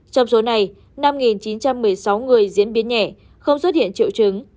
trong số này năm chín trăm một mươi sáu người diễn biến nhẹ không xuất hiện triệu chứng